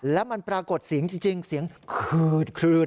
แล้วมันปรากฏเสียงจริงเสียงขืดคลืน